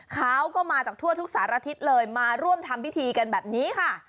เขาก็มาจากทั่วทุกสารทิศเลยมาร่วมทำพิธีกันแบบนี้ค่ะ